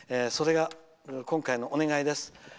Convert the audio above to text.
それが今回のお願いです。